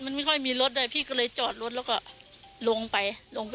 มันไม่ค่อยมีรถอ่ะพี่ก็เลยจอดรถแล้วก็ลงไปลงไป